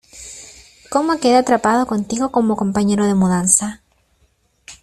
¿ Cómo quede atrapado contigo como compañero de mudanza?